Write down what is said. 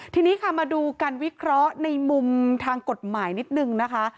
ทีนี้ค่ะมาดูการวิเคราะห์ในมุมทางกฎหมายนิดนึงนะคะ